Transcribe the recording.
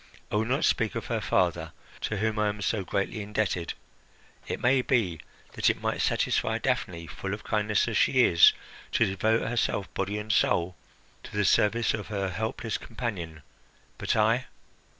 I will not speak of her father, to whom I am so greatly indebted. It may be that it might satisfy Daphne, full of kindness as she is, to devote herself, body and soul, to the service of her helpless companion. But I?